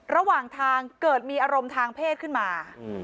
ระหว่างทางเกิดมีอารมณ์ทางเพศขึ้นมา